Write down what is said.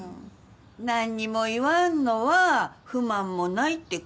何にも言わんのは不満もないってことだ。